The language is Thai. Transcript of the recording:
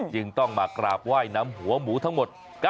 จึงต้องมากราบไหว้นำหัวหมูทั้งหมด